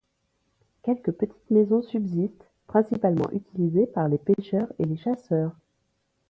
Quelques petites maisons subsistent, principalement utilisés par les pêcheurs et les chasseurs.